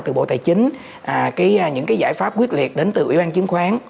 từ bộ tài chính những giải pháp quyết liệt đến từ ủy ban chứng khoán